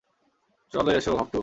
চলে এসো, হক-টু।